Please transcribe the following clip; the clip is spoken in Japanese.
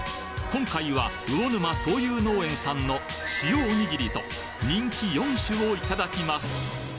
今回はうおぬま倉友農園さんの塩おにぎりと人気４種をいただきます